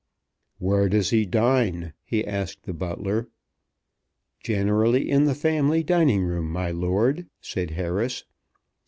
"Where does he dine?" he asked the butler. "Generally in the family dining room, my lord," said Harris.